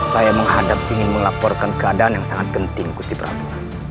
saya menghadap ingin melaporkan keadaan yang sangat penting gusti prabu